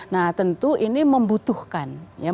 nah tentu ini membutuhkan